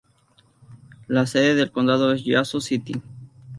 La sede del condado es Yazoo City.